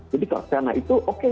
jadi kalau sana itu oke